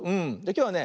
きょうはね